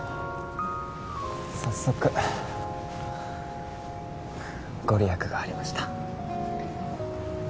早速ご利益がありました